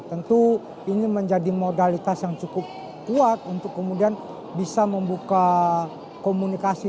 tentu ini menjadi modalitas yang cukup kuat untuk kemudian bisa membuka komunikasi